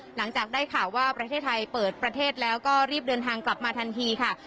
หลังจากได้ข่าวว่าประเทศไทยเปิดประเทศแล้วก็รีบเดินทางกลับมาทันทีค่ะ